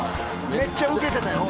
めっちゃウケてたよ。